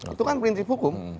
itu kan perintip hukum